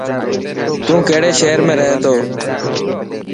تو ڪهڙي شهر ۾ رهي ٿو